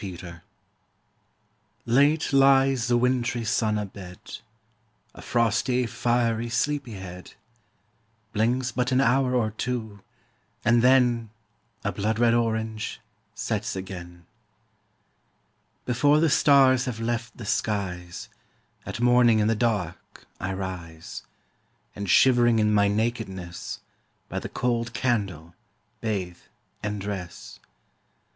WINTER TIME Late lies the wintry sun a bed, A frosty, fiery sleepy head; Blinks but an hour or two; and then, A blood red orange, sets again. Before the stars have left the skies, At morning in the dark I rise; And shivering in my nakedness, By the cold candle, bathe and dress.